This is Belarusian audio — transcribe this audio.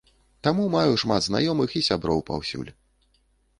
Таму маю шмат знаёмых і сяброў паўсюль.